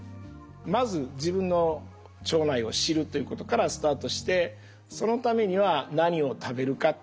まず自分の腸内を知るということからスタートしてそのためには何を食べるかと。